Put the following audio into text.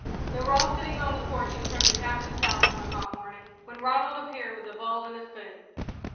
They were all sitting on the porch in front of the Captain's house one hot morning, when Ronald appeared with a bowl and a spoon.